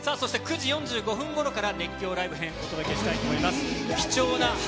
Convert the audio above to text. ９時４５分頃から熱狂ライブ編をお届けしたいと思います。